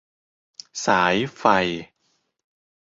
สาย ไฟ